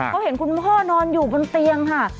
เขาเห็นคุณพ่อนอนอยู่บนเตียงค่ะ